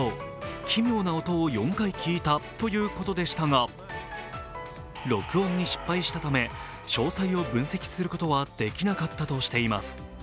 奇妙な音を４回聞いたということでしたが録音に失敗したため詳細を分析することはできなかったといいます。